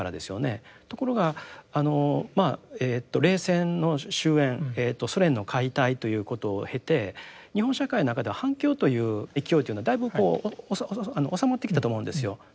ところがあの冷戦の終焉ソ連の解体ということを経て日本社会の中では反共という勢いというのはだいぶこう収まってきたと思うんですよ。